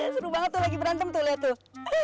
seru banget tuh lagi berantem tuh lihat tuh